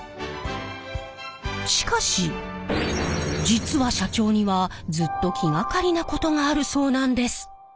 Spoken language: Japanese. しかし実は社長にはずっと気がかりなことがあるそうなんです。